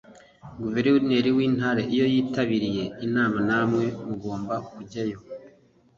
Guverineri w Intara iyo yitabiriye inama namwe mugomba kujyayo